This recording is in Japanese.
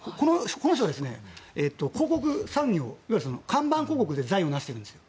この人は広告産業いわゆる看板広告で財を成してるんです。